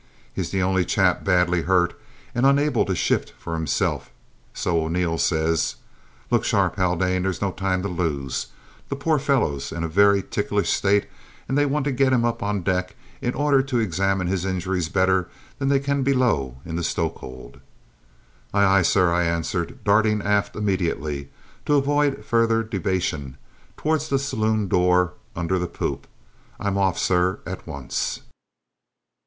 He's the only chap badly hurt and unable to shift for himself, so O'Neil says. Look sharp, Haldane, there's no time to lose; the poor fellow's in a very ticklish state and they want to get him up on deck in order to examine his injuries better than they can below in the stoke hold!" "Aye, aye, sir!" I answered, darting aft immediately, to avoid further debation, towards the saloon door under the poop. "I'm off, sir, at once!"